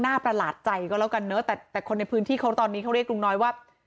ประหลาดใจก็แล้วกันเนอะแต่คนในพื้นที่เขาตอนนี้เขาเรียกลุงน้อยว่า